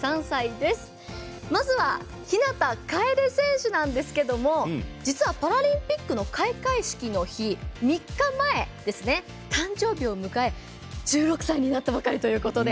まずは日向楓選手なんですけども実は、パラリンピックの開会式の日３日前、誕生日を迎え１６歳になったばかりということで。